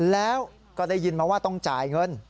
แล้วก็ได้ยินมาว่าต้องจ่ายเงิน